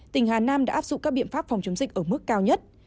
tỉnh hà nam đã áp dụng các biện pháp phòng chống dịch ở mức cao nhất